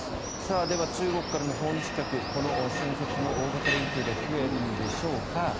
では、中国からの訪日客この春節の大型連休で増えるのでしょうか。